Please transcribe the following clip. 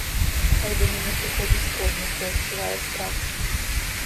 Хай да мяне прыходзіць кожны, хто адчувае страх.